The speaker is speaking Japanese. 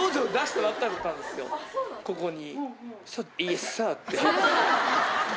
ここに。